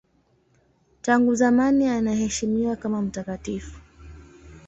Tangu zamani anaheshimiwa kama mtakatifu.